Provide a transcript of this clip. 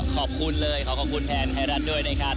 ขอบคุณเลยขอขอบคุณแทนไทยรัฐด้วยนะครับ